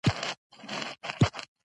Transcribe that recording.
د هندواڼې خوراک د ساه بندۍ لپاره ګټور دی.